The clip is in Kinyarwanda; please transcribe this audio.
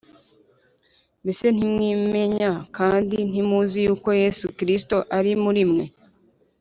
Mbese ntimwimenya, kandi ntimuzi yuko Yesu Kristo ari muri mwe?